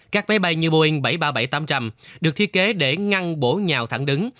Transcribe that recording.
các máy bay như boeing bảy trăm ba mươi bảy tám trăm linh được thiết kế để ngăn bộ nhào thẳng đứng